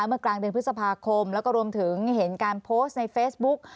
เมื่อกลางเดือนพฤษภาคมแล้วก็รวมถึงเห็นการโพสต์ในเฟซบุ๊ก